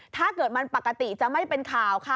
ถ้าเกิดมันปกติจะไม่เป็นข่าวค่ะ